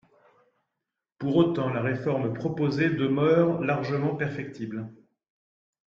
Pour autant, la réforme proposée demeure largement perfectible.